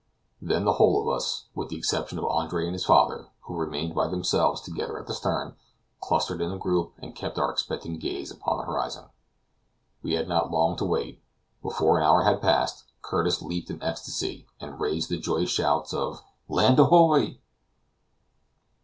Then the whole of us (with the exception of Andre and his father, who remained by themselves together at the stern) clustered in a group, and kept our expectant gaze upon the horizon. We had not long to wait. Before an hour had passed, Curtis leaped in ecstasy and raised the joyous shout of "Land ahoy!"